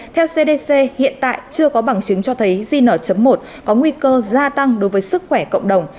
theo cdc hiện tại chưa có bằng chứng cho thấy zn một có nguy cơ gia tăng đối với sức khỏe cộng đồng